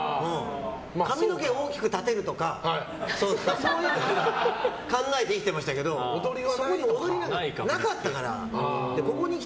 髪の毛を大きく立てるとかそういうのは考えて生きてましたけど踊りなんかなかったから。